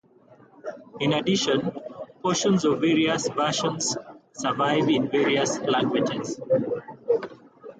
In addition, portions of various versions survive in various languages.